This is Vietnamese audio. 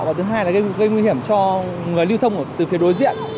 và thứ hai là gây nguy hiểm cho người lưu thông từ phía đối diện